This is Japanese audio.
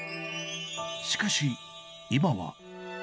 しかし、今は。